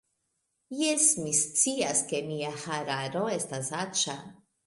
Jes, mi scias ke mia hararo estas aĉa